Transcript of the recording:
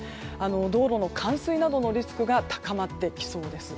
道路の冠水などのリスクが高まってきそうです。